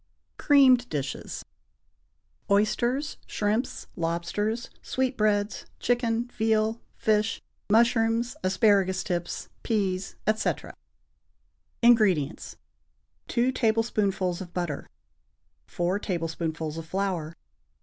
=Creamed Dishes.= (Oysters, shrimps, lobsters, sweetbreads, chicken, veal, fish, mushrooms, asparagus tips, peas, etc.) INGREDIENTS. 2 tablespoonfuls of butter. 4 tablespoonfuls of flour.